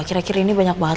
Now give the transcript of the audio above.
akhir akhir ini banyak banget